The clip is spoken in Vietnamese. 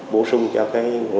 bổ sung cho các doanh nghiệp